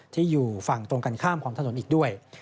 ที่อยู่ฝั่งตรงกันข้ามของถนนอีกด้วย